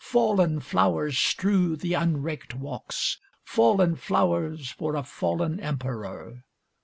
Fallen flowers strew the unraked walks. Fallen flowers for a fallen Emperor!